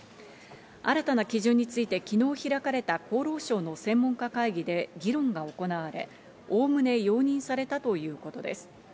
新たな基準について昨日開かれた厚労省の専門家会議で議論が行われ、おおむね容認されたということです。